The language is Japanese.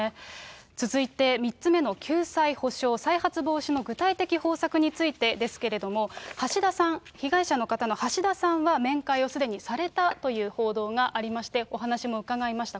続いて、３つ目の救済・補償、再発防止の具体的方策についてですけれども、橋田さん、被害者の方の橋田さんは面会をすでにされたという報道がありまして、お話も伺いました。